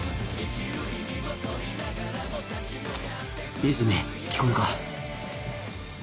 和泉聞こえるか？